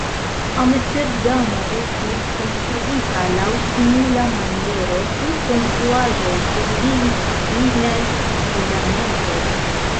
Amsterdamo estis konstruita laŭ simila maniero, kun konstruaĵoj sur lignaj fundamentoj.